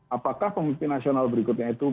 apakah pemimpin nasional berikutnya itu